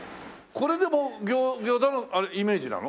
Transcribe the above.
これでも餃子のイメージなの？